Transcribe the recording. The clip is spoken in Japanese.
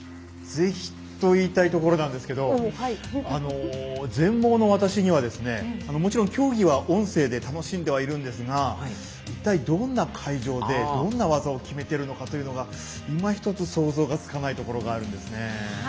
ぜひといいたいところなんですけど全盲の私にはもちろん競技は音声で楽しんではいるんですが一体、どんな会場でどんな技を決めてるのかというのが今ひとつ想像がつかないところがあるんですね。